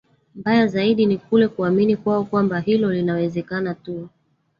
Mbaya zaidi ni kule kuamini kwao kwamba hilo linawezekana tu